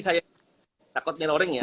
saya takut mirroring ya